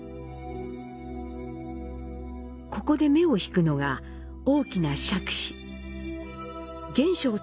ここで目をひくのが大きな杓子。